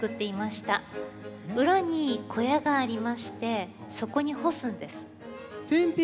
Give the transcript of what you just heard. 裏に小屋がありましてそこに干すんです。